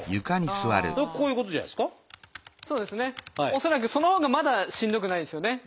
恐らくそのほうがまだしんどくないんですよね。